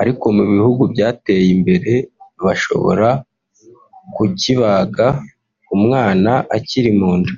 ariko mu bihugu byateye imbere bashobora ku kibaga umwana akiri mu nda